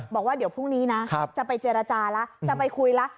บอกว่าเดี๋ยวพรุ่งนี้นะจะไปเจรจาแล้วจะไปคุยแล้ว